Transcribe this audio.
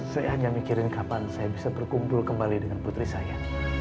saya hanya mikirin kapan saya bisa berkumpul kembali dengan putri saya